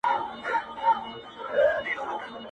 پر دوکان بېهوښه ناست لکه لرګی وو!!